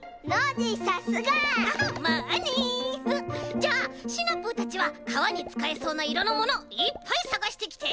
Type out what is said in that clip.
じゃあシナプーたちはかわにつかえそうないろのものいっぱいさがしてきて！